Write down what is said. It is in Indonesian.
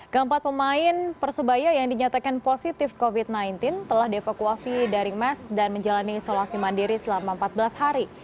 keempat pemain persebaya yang dinyatakan positif covid sembilan belas telah dievakuasi dari mes dan menjalani isolasi mandiri selama empat belas hari